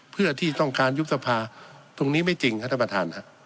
เพื่อที่ต้องการยุทธภาตรงนี้ไม่จริงข้าท่านประธาน